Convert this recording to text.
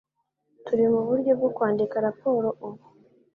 Turi muburyo bwo kwandika raporo ubu.